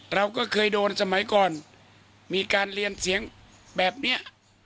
เราก็เคยโดนสมัยก่อนมีการเรียนเสียงแบบนี้